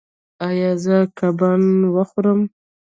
ایا زه کباب وخورم؟